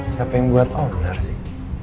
siapa yang buat onar sih